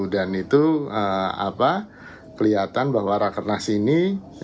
dan itu kelihatan bahwa raka kernas ini